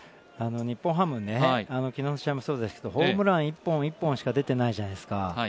日本ハム、昨日の試合もそうですけど、ホームラン１本１本しか出てないじゃないですか。